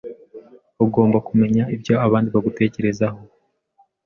Ugomba kumenya ibyo abandi bagutekerezaho?